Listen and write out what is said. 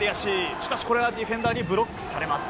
しかし、これはディフェンダーにブロックされます。